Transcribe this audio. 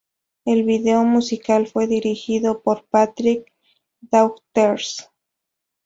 El video musical fue dirigido por Patrick Daughters.